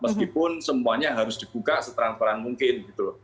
namun semuanya harus dibuka seteran teran mungkin